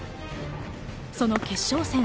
その決勝戦。